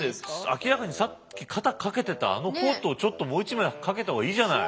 明らかにさっき肩かけてたあのコートをもう一枚かけた方がいいじゃない。